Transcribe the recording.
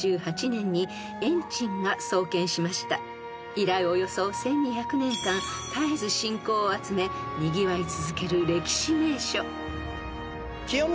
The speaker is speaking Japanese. ［以来およそ１，２００年間絶えず信仰を集めにぎわい続ける歴史名所］